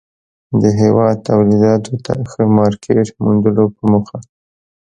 د هېواد توليداتو ته ښه مارکيټ موندلو په موخه